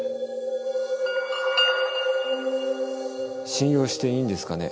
信用していいんですかね。